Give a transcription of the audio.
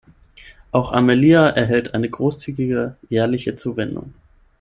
Auch Amelia erhält eine großzügige jährliche Zuwendung.